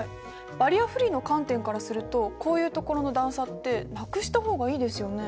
バリアフリーの観点からするとこういう所の段差ってなくした方がいいですよね。